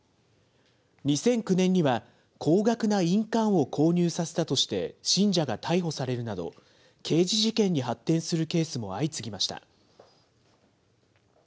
２００９年には、高額な印鑑を購入させたとして信者が逮捕されるなど、刑事事件に発展するケースも相次ぎました。